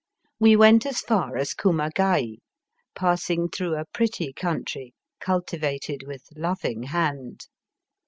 We went as far as Kumagai, passing through a pretty country cultivated with loving hand.